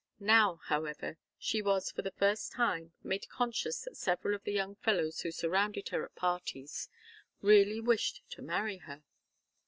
Now, however, she was for the first time made conscious that several of the young fellows who surrounded her at parties really wished to marry her.